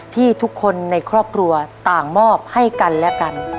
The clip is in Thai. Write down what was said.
ที่ทุกคนในครอบครัวต่างมอบให้กันและกัน